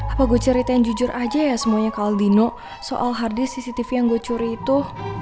apa gua ceritain jujur aja ya semuanya ke aldino soal hardis cctv yang gua curi itu